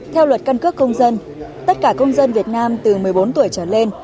theo luật căn cước công dân tất cả công dân việt nam từ một mươi bốn tuổi trở lên